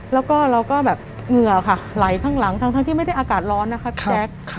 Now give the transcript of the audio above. แล้วก็เราก็แบบเหงื่อค่ะไหลข้างหลังทั้งที่ไม่ได้อากาศร้อนนะคะพี่แจ๊ค